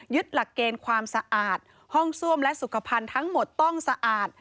หลักเกณฑ์ความสะอาดห้องซ่วมและสุขภัณฑ์ทั้งหมดต้องสะอาด